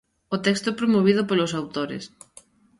O texto promovido polos autores.